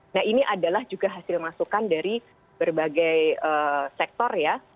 nah ini adalah juga hasil masukan dari berbagai sektor ya